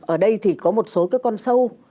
ở đây thì có một số cái con sâu